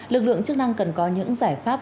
lực lượng chức năng cần có những giải pháp